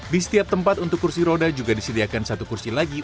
di setiap tempat untuk kursi roda juga disediakan satu kursi lagi